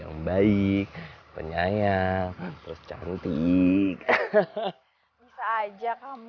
yang baik penyayang cantik hahaha aja kamu ya bisa dong berarti sekarang kamu